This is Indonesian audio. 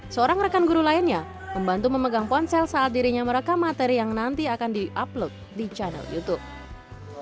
seorang rekan guru lainnya membantu memegang ponsel saat dirinya merekam materi yang nanti akan di upload di channel youtube